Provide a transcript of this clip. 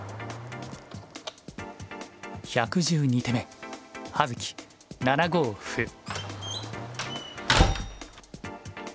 １１２手目葉月７五歩。